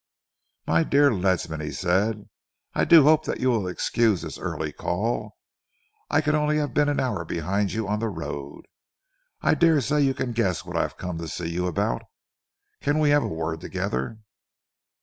"My dear Ledsam," he said, "I do hope that you will excuse this early call. I could only have been an hour behind you on the road. I dare say you can guess what I have come to see you about. Can we have a word together?"